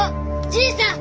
じいさん！